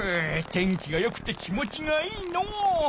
天気がよくて気持ちがいいのう！